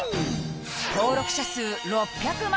登録者数６００万